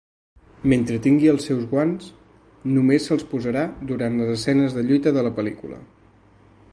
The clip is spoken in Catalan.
Mentre tingui els seus guants, només se'ls posarà durant les escenes de lluita de la pel·lícula.